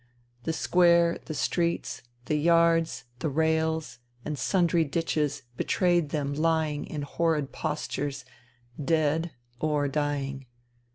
The square, the streets, the yards, the rails, and sundry ditches betrayed them lying in horrid postures, dead or dying.